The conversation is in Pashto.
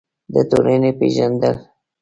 د ټولنې پېژندل: